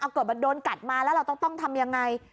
เกิดมันโดนกัดมาแล้วเราต้องทำยังไง